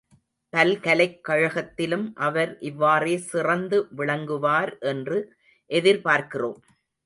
பல்கலைக் கழகத்திலும் அவர் இவ்வாறே சிறந்து விளங்குவார் என்று எதிர்பார்க்கிறோம்.